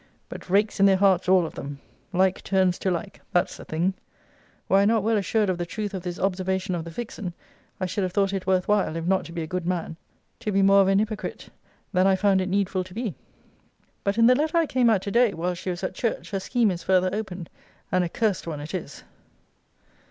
But rakes in their hearts all of them! Like turns to like; that's the thing. Were I not well assured of the truth of this observation of the vixen, I should have thought it worth while, if not to be a good man, to be more of an hypocrite, than I found it needful to be. But in the letter I came at to day, while she was at church, her scheme is further opened; and a cursed one it is.